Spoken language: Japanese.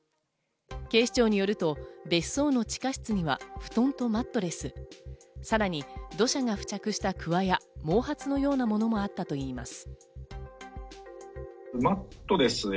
警視庁によると、別荘の地下室には布団とマットレス、さらに土砂が付着したくわや毛髪のようなものもあったといいます。